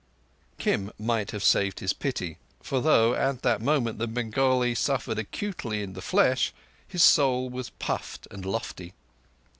Kim might have saved his pity, for though at that moment the Bengali suffered acutely in the flesh, his soul was puffed and lofty.